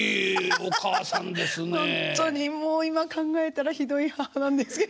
ほんとにもう今考えたらひどい母なんですけど。